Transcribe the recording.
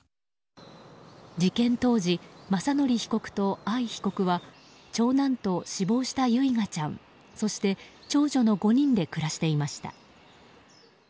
事件当時、雅則被告と藍被告は長男と死亡した唯雅ちゃんそして長女の５人で暮らしていました。